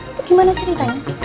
itu gimana ceritanya sih